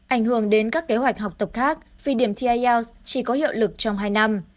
ảnh hưởng đến các kế hoạch học tập khác vì điểm thi ielts chỉ có hiệu lực trong hai năm